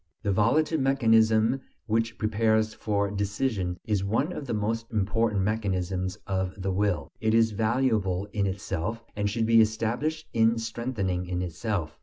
The volitive mechanism which prepares for decision is one of the most important mechanisms of the will; it is valuable in itself, and should be established and strengthened in itself.